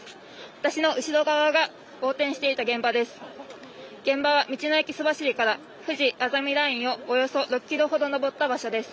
私の後ろ側が、横転していた現場です。